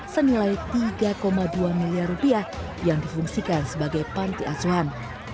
senilai tiga dua miliar rupiah yang difungsikan sebagai panti asuhan